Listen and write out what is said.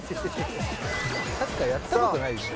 「サッカーやった事ないでしょ」